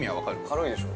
◆軽いでしょ。